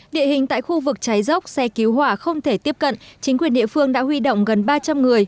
địa hình tại khu vực cháy dốc xe cứu hỏa không thể tiếp cận chính quyền địa phương đã huy động gần ba trăm linh người